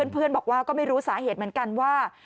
เพื่อนบอกว่าก็ไม่รู้สาเหตุเหมือนกันว่า